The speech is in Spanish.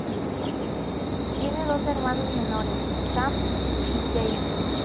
Tiene dos hermanos menores, Sam y Jamie.